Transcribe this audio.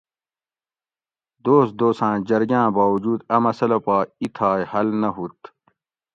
دوس دوساں جرگاں باوجود اۤ مسلہ پا اِیتھائی حل نہ ہُوت